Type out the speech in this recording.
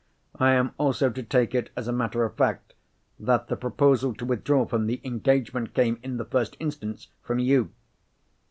"I am also to take it as a matter of fact that the proposal to withdraw from the engagement came, in the first instance, from _you?